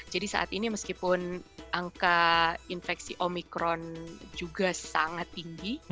saat ini meskipun angka infeksi omikron juga sangat tinggi